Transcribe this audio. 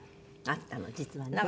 あったの実はね。